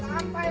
jangan rasa ya